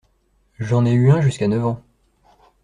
J'en ai eu un jusqu'à neuf ans.